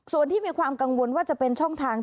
ส่วนที่มีความกังวลว่าจะเป็นช่องทาง